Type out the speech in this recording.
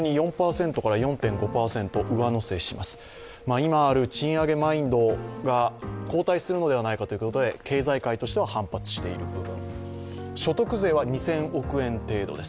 今ある賃上げマインドが後退するのではないかということで経済界としては反発している部分。